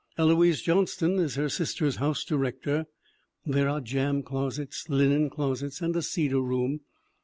Eloise Johnston is her sister's house director. There are jam closets, linen closets and a cedar room.